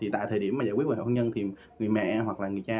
tại thời điểm mà giải quyết hôn nhân thì người mẹ hoặc là người cha